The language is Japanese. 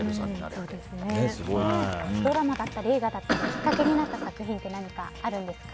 ドラマだったり映画だったりきっかけになった作品ってあるんですか？